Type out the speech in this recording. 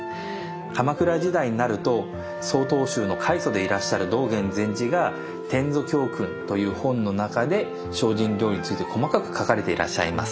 鎌倉時代になると曹洞宗の開祖でいらっしゃる道元禅師が「典座教訓」という本の中で精進料理について細かく書かれていらっしゃいます。